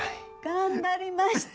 頑張りました！